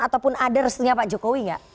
ataupun ada restunya pak jokowi nggak